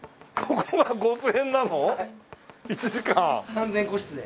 完全個室で。